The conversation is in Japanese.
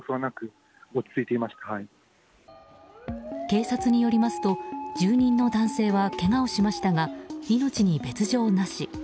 警察によりますと住人の男性はけがをしましたが命に別条なし。